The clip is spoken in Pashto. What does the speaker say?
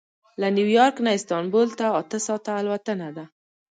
له نیویارک نه استانبول ته اته ساعته الوتنه ده.